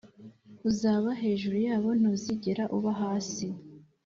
uzaba hejuru yabo, ntuzigera uba hasi.